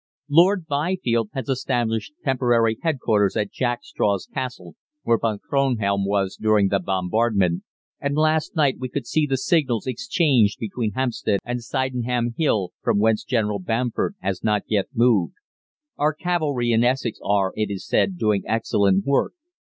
"Lord Byfield has established temporary headquarters at Jack Straw's Castle, where Von Kronhelm was during the bombardment, and last night we could see the signals exchanged between Hampstead and Sydenham Hill, from whence General Bamford has not yet moved. Our cavalry in Essex are, it is said, doing excellent work.